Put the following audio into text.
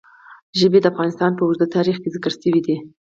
ژبې د افغانستان په اوږده تاریخ کې ذکر شوی دی.